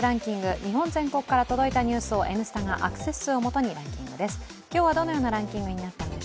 日本全国から届いたニュースを「Ｎスタ」がアクセス数を基にランキングです。